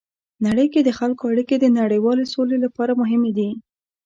نړۍ کې د خلکو اړیکې د نړیوالې سولې لپاره مهمې دي.